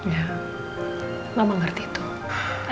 ya mama ngerti tuh